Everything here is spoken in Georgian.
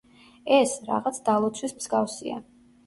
ეს, რაღაც დალოცვის მსგავსია.